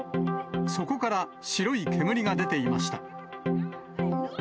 そこから白い煙が出ていました。